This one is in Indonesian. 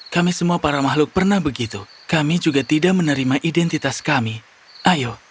kami semua para makhluk pernah begitu kami juga tidak menerima identitas kami ayo